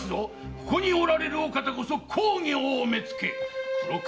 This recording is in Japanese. ここにおられるお方こそ公儀大目付黒川